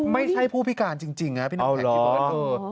ไม่ใช่ผู้พิการจริงน่ะพี่หนักแพทย์คิดว่า